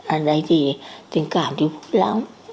ở đây thì tình cảm thì vui lắm